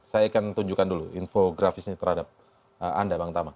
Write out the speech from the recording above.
saya akan tunjukkan dulu infografisnya terhadap anda bang tama